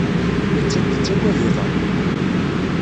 Nettat tettaggad iḍan.